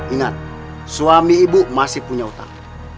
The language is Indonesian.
ingat suami ibu masih punya utang